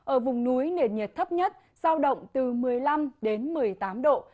ở vùng núi nền nhiệt thấp nhất giao động từ một mươi năm đến một mươi tám độ